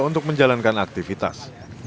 untuk menjalankan aktivitas